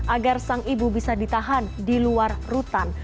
agar sang ibu bisa ditahan di luar rutan